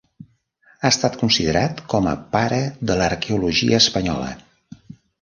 Ha estat considerat com a pare de l'arqueologia espanyola.